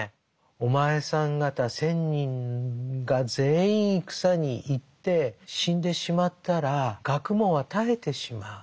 「お前さん方千人が全員戦に行って死んでしまったら学問は絶えてしまう。